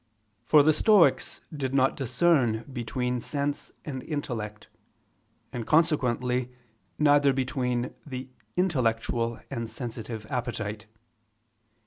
For the Stoics did not discern between sense and intellect; and consequently neither between the intellectual and sensitive appetite.